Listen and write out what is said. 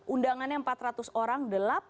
undangannya empat ratus orang